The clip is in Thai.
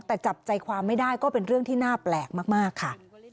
แต่จับใจความไม่ได้ก็เป็นเรื่องที่น่าแปลกมากค่ะ